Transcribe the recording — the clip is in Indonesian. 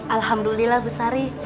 alhamdulillah bu sari